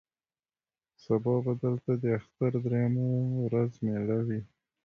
سبا به دلته د اختر درېیمه ورځ مېله وي.